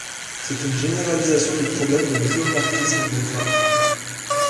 C'est une généralisation du problème de l'isomorphisme de graphes.